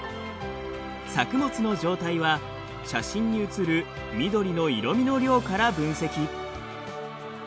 作物の状態は写真に写る緑の色みの量から分析。